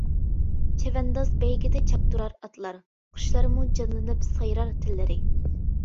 چەۋەنداز بەيگىدە چاپتۇرار ئاتلار، قۇشلارمۇ جانلىنىپ سايرار تىللىرى.